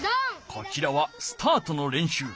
こちらはスタートのれんしゅう。